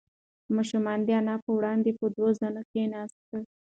ماشوم د انا په وړاندې په دوه زانو کښېناست.